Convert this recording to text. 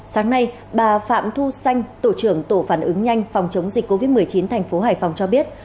sáng nay bà phạm thu xanh tổ trưởng tổ phản ứng nhanh phòng chống dịch covid một mươi chín thành phố hải phòng cho biết